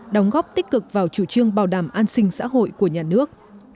đóng góp tích cực vào chủ trương bảo đảm an sinh xã hội của nhà nước